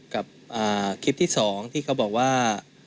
กับคลิปที่๒ที่เขาบอกว่า